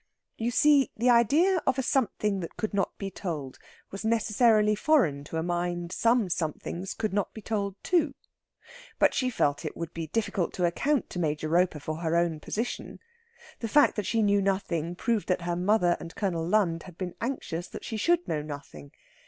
You see, the idea of a something that could not be told was necessarily foreign to a mind some somethings could not be told to. But she felt it would be difficult to account to Major Roper for her own position. The fact that she knew nothing proved that her mother and Colonel Lund had been anxious she should know nothing.